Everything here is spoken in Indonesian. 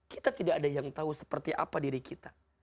kita tidak ada yang tahu seperti apa diri kita